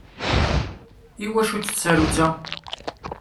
Iwacu-tt tsarutt-a?